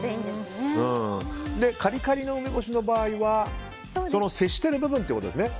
カリカリの梅干しの場合は接してる部分ということですね。